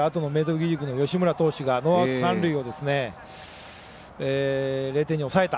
義塾の吉村投手がノーアウト、三塁を０点に抑えた